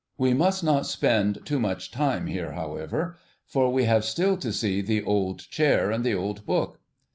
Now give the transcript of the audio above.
We must not spend too much time here, however, for we have still to see the old chair and the old book.